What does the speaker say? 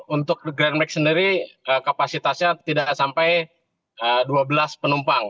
untuk grandmag sendiri kapasitasnya tidak sampai dua belas penumpang